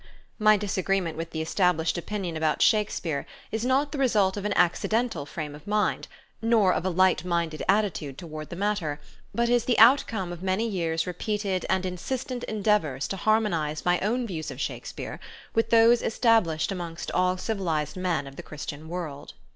My disagreement with the established opinion about Shakespeare is not the result of an accidental frame of mind, nor of a light minded attitude toward the matter, but is the outcome of many years' repeated and insistent endeavors to harmonize my own views of Shakespeare with those established amongst all civilized men of the Christian world.